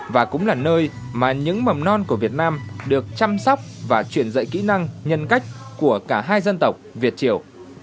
và cũng là nơi mà những mầm non của việt nam được chăm sóc và truyền dạy kỹ năng nhân cách của cả hai dân tộc việt triều